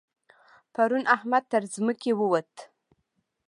پرون احمد تر ځمکې ووت.